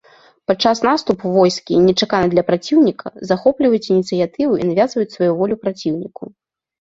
Падчас наступу войскі, нечакана для праціўніка, захопліваюць ініцыятыву і навязваюць сваю волю праціўніку.